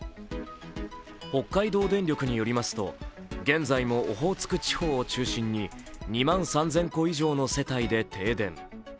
北海道電力によりますと、現在もオホーツク地方を中心に２万３０００戸以上の世帯で停電。